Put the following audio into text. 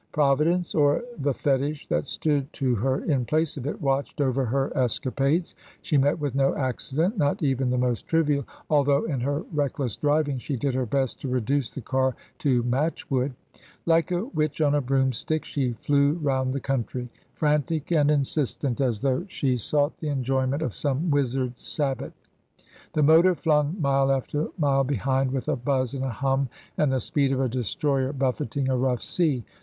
Providence, or the fetish that stood to her in place of it, watched over her escapades. She met with no accident, not even the most trivial, although in her reckless driving she did her best to reduce the car to match wood. Like a witch on a broomstick she flew round the country, frantic and insistent, as though she sought the enjoyment of some wizard Sabbath. The motor flung mile after mile behind, with a buzz and a hum, and the speed of a destroyer buffeting a rough sea.